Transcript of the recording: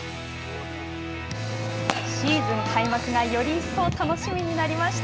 シーズン開幕がより一層楽しみになりました。